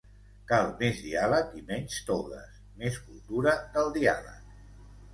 Cal més diàleg i menys togues, més cultura del diàleg.